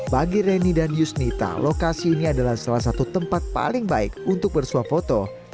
bagi reni dan yusnita lokasi ini adalah salah satu tempat paling baik untuk bersuap foto